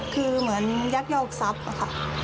คือเหมือนยักยอกทรัพย์ค่ะ